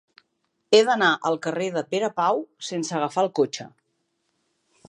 He d'anar al carrer de Pere Pau sense agafar el cotxe.